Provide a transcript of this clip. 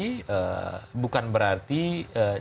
bukan berarti di sisi yang lain daerah yang lain itu adalah kemampuan